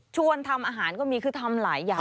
ทำอาหารก็มีคือทำหลายอย่าง